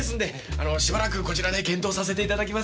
あのしばらくこちらで検討させて頂きます。